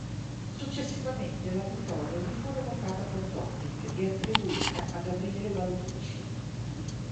Successivamente la vittoria gli fu revocata per doping e attribuita a Gabriele Balducci.